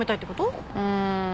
うん。